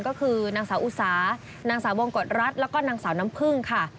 ก็คือนางสาวอุสานางสาววงกฎรัฐแล้วก็นางสาวน้ำพึ่งค่ะ